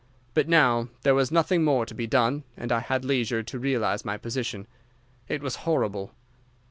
But now there was nothing more to be done, and I had leisure to realize my position. It was horrible.